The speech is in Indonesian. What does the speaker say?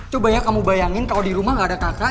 coba ya kamu bayangin kalau di rumah gak ada kakak